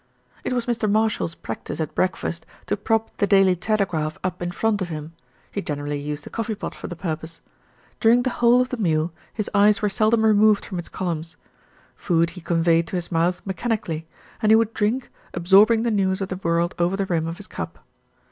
SIR JOHN HILDRETH 281 It was Mr. Marshall's practice at breakfast to prop The Daily Telegraph up in front of him; he generally used the coffee pot for the purpose. During the whole of the meal, his eyes were seldom removed from its columns. Food he conveyed to his mouth mechani cally, and he would drink, absorbing the news of the world over the rim of his cup.